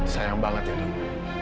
sayang banget ya nuk